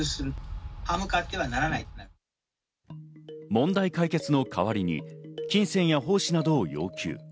問題解決の代わりに金銭や奉仕などを要求。